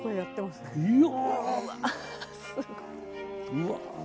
うわ。